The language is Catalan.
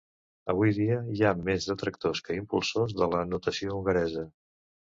Avui dia hi ha més detractors que impulsors de la notació hongaresa.